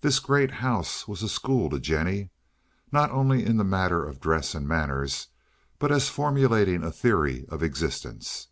This great house was a school to Jennie, not only in the matter of dress and manners, but as formulating a theory of existence.